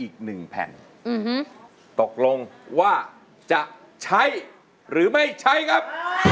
อีกหนึ่งแผ่นตกลงว่าจะใช้หรือไม่ใช้ครับ